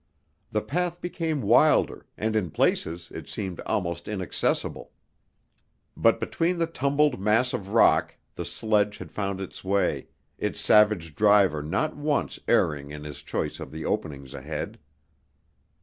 The path became wilder and in places it seemed almost inaccessible. But between the tumbled mass of rock the sledge had found its way, its savage driver not once erring in his choice of the openings ahead.